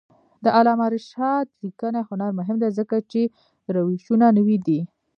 د علامه رشاد لیکنی هنر مهم دی ځکه چې روشونه نوي دي.